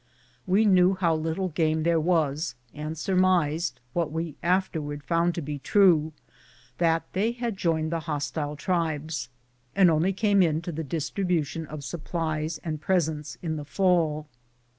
We knew how little game there was, and surmised — what we afterwards found to be true — that they had joined the hostile tribes, and only came in to the dis tribution of supplies and presents in the fall.